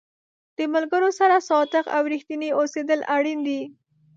د ملګرو سره صادق او رښتینی اوسېدل اړین دي.